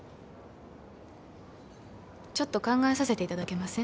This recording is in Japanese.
ちょっと考えさせていただけません？